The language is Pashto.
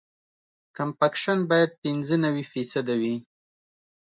کمپکشن باید پینځه نوي فیصده وي